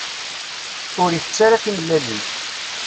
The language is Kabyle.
Ur itett ara timellalin.